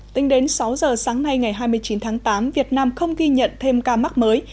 tính đến sáu giờ sáng nay ngày hai mươi chín tháng tám việt nam không ghi nhận thêm ca mắc mới